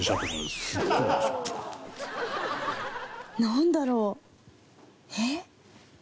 なんだろう？えっ？